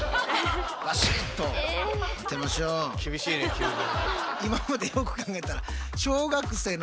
厳しいね急に。